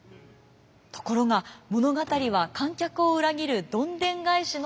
ところが物語は観客を裏切るどんでん返しの連続。